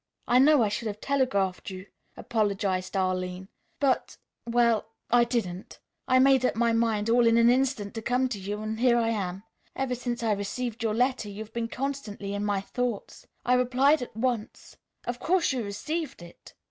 "I know I should have telegraphed you," apologized Arline, "but well I didn't. I made up my mind all in an instant to come to you, and here I am. Ever since I received your letter you've been constantly in my thoughts. I replied at once. Of course you received it?"